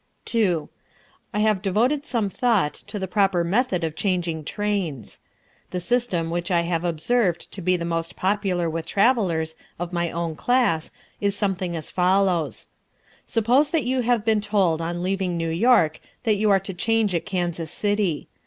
2. I have devoted some thought to the proper method of changing trains. The system which I have observed to be the most popular with travellers of my own class, is something as follows: Suppose that you have been told on leaving New York that you are to change at Kansas City.